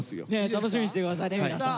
楽しみにして下さいね皆さん。